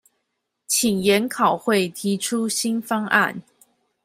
請研考會提出新方案